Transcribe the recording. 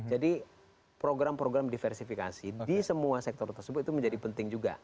jadi program program diversifikasi di semua sektor tersebut itu menjadi penting juga